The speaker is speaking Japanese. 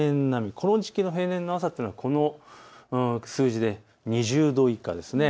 この時期の平年の朝というのはこの数字で２０度以下です。